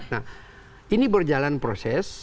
nah ini berjalan proses